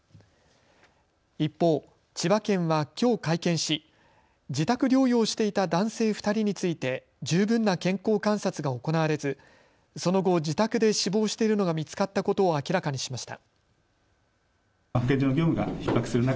一方、千葉県はきょう会見し自宅療養していた男性２人について十分な健康観察が行われずその後、自宅で死亡しているのが見つかったことを明らかにしました。